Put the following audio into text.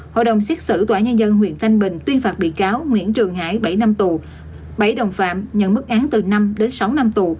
hội đồng xét xử tòa nhân dân huyện thanh bình tuyên phạt bị cáo nguyễn trường hải bảy năm tù bảy đồng phạm nhận mức án từ năm đến sáu năm tù